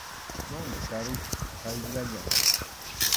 Mana karuchu, qayllallam.